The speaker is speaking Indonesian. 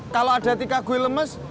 kalau ada tika gue lemes